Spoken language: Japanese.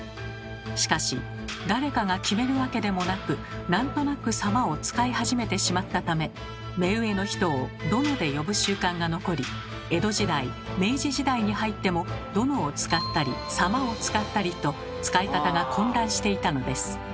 しかし誰かが決めるわけでもなくなんとなく「様」を使い始めてしまったため目上の人を「殿」で呼ぶ習慣が残り江戸時代明治時代に入っても「殿」を使ったり「様」を使ったりと使い方が混乱していたのです。